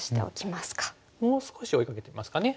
もう少し追いかけてみますかね。